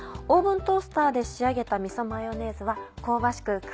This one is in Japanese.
オーブントースターで仕上げたみそマヨネーズは香ばしく